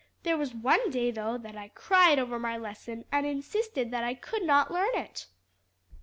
There was one day, though, that I cried over my lesson and insisted that I could not learn it."